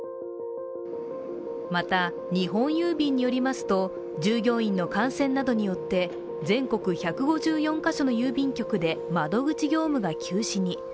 また、日本郵便によりますと、従業員の感染などによって、全国１５４ヶ所の郵便局で窓口業務が休止に。